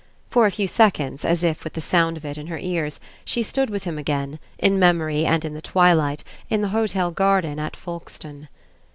For a few seconds, as if with the sound of it in her ears, she stood with him again, in memory and in the twilight, in the hotel garden at Folkestone.